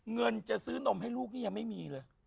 เงินจะซื้อนมให้ลูกนี่ยังไม่มีเลย